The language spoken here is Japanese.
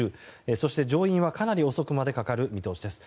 そして上院は、かなり遅くまでかかる見通しです。